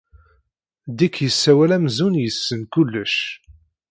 Dick yessawal amzun yessen kullec.